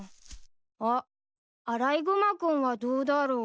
あっアライグマ君はどうだろう？